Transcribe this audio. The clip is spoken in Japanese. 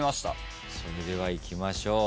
それではいきましょう。